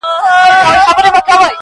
دغه جلال او دا جمال د زلفو مه راوله.